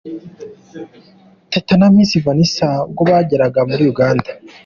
Teta na Miss Vanessa ubwo bageraga muri Uganda.